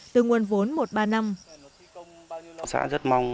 từ nguồn vốn một ba năm